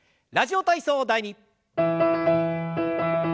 「ラジオ体操第２」。